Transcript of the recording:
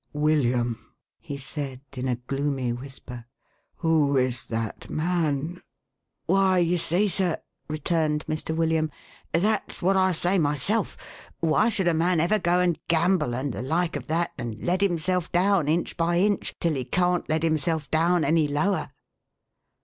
"William," he said in a gloomy whisper, "who is that man ?" "Why you see, sir," returned Mr. William, "that's what I say, myself. Why should a man ever go and gamble, and the like of that, and let himself down inch by inch till he can't let himself down any lower